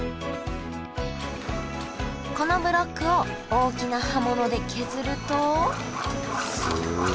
このブロックを大きな刃物で削るとすごい。